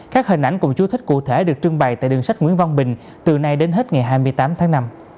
các hình ảnh cùng chú thích cụ thể được trưng bày tại đường sách nguyễn văn bình từ nay đến hết ngày hai mươi tám tháng năm